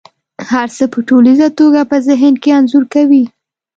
هر څه په ټوليزه توګه په ذهن کې انځور کوي.